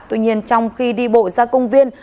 tuy nhiên trong khi đi bộ ra công viên